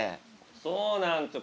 そうなんすよ